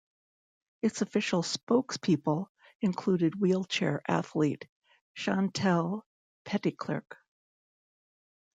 Its official spokespeople included wheelchair athlete Chantal Petitclerc.